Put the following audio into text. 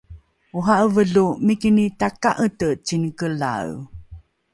ora’eve lo mikini taka’ete cinekelae